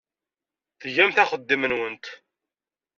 Tgamt axeddim-nwent.